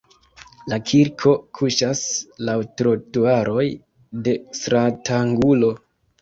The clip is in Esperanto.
La kirko kuŝas laŭ trotuaroj de stratangulo.